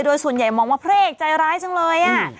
โดยส่วนใหญ่มองว่าพระเอกใจร้ายจังเลย